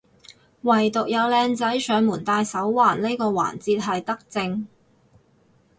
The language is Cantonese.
惟獨有靚仔上門戴手環呢個環節係德政